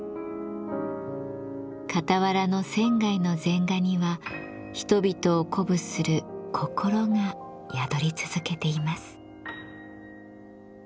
傍らの仙の禅画には人々を鼓舞する心が宿り続けています。